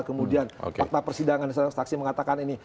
kemudian fakta persidangan di stasiun mengatakan ini